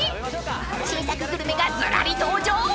新作グルメがずらり登場］